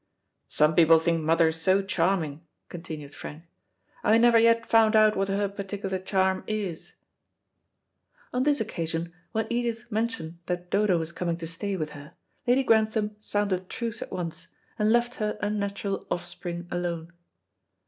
"Some people think mother so charming," continued Frank. "I never yet found out what her particular charm is." On this occasion, when Edith mentioned that Dodo was coming to stay with her, Lady Grantham sounded truce at once, and left her unnatural offspring alone.